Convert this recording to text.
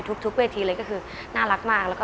ไปทุกเวทีเลยก็คือน่ารักมากแล้วก็